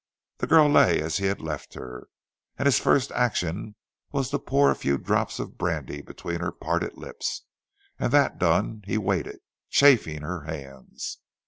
The girl lay as he had left her, and his first action was to pour a few drops of brandy between her parted lips, and that done he waited, chafing her hands.